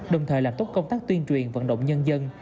đồng thời làm tốt công tác tuyên truyền vận động nhân dân